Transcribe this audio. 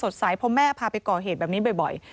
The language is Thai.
พอแม่พาไปก่อเหตุแบบนี้บ่อย